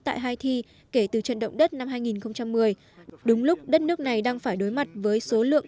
tại haithi kể từ trận động đất năm hai nghìn một mươi đúng lúc đất nước này đang phải đối mặt với số lượng